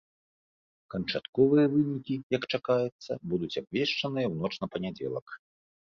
Канчатковыя вынікі, як чакаецца, будуць абвешчаныя ў ноч на панядзелак.